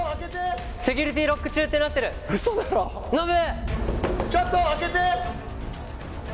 セキュリティロック中ってなってる・嘘だろノブ！